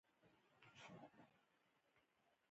د نجونو تعلیم د ماشومانو واکسین مرسته کوي.